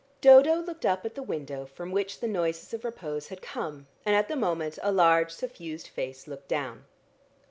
Dodo looked up at the window from which the noises of repose had come, and at the moment a large suffused face looked down.